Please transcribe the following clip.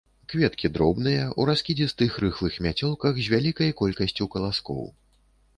Кветкі дробныя, у раскідзістых рыхлых мяцёлках з вялікай колькасцю каласкоў.